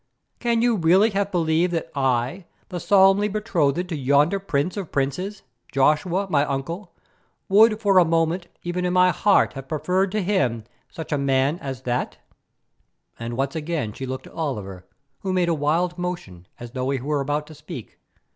Can you really have believed that I, the solemnly betrothed to yonder Prince of Princes, Joshua, my uncle, would for a moment even in my heart have preferred to him such a man as that?" And once again she looked at Oliver, who made a wild motion, as though he were about to speak.